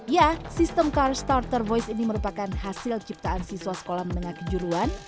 ya sistem car starter voice ini merupakan hasil ciptaan siswa sekolah menengah kejuruan